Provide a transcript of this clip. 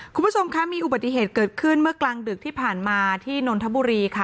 คุณผู้ชมคะมีอุบัติเหตุเกิดขึ้นเมื่อกลางดึกที่ผ่านมาที่นนทบุรีค่ะ